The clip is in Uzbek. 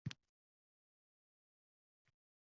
Pensiyamni olsam, yana beraman